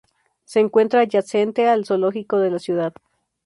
Se encuentra adyacente al zoológico de la ciudad.